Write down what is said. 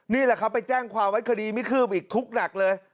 นี่แหละครับไปแจ้งความไว้คดีไม่คืบอีกทุกข์หนักเลย